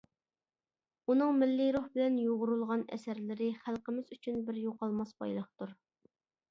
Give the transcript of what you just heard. ئۇنىڭ مىللىي روھ بىلەن يۇغۇرۇلغان ئەسەرلىرى خەلقىمىز ئۈچۈن بىر يوقالماس بايلىقتۇر!